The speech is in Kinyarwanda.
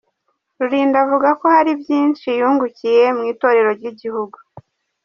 Rulinda avuga ko hari byinshi yungukiye mu itorero ry'igihugu.